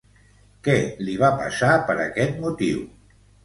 Què li va passar per aquest motiu?